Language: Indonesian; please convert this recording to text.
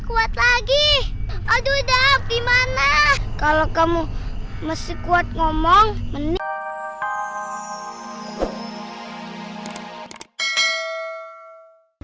kuat lagi aduh dam gimana kalau kamu masih kuat ngomong menikah hai